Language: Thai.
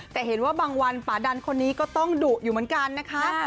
แต่เห็นว่าบางวันป่าดันคนนี้ก็ต้องดุอยู่เหมือนกันนะคะ